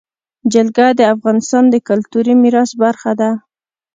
جلګه د افغانستان د کلتوري میراث برخه ده.